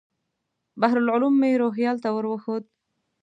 بحر العلوم مې روهیال ته ور وښود.